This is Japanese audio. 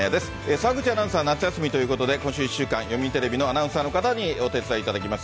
澤口アナウンサー、夏休みということで今週１週間、読売テレビのアナウンサーの方にお手伝いいただきます。